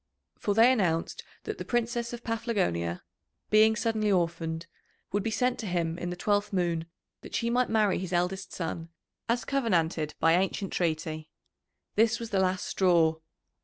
For they announced that the Princess of Paphlagonia, being suddenly orphaned, would be sent to him in the twelfth moon that she might marry his eldest son as covenanted by ancient treaty. This was the last straw.